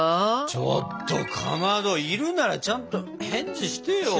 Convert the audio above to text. ちょっとかまどいるならちゃんと返事してよ。